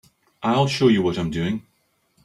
I'll show you what I'm doing.